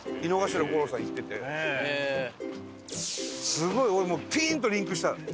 すごい俺もうピーンとリンクした。